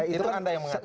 itu anda yang mengatakan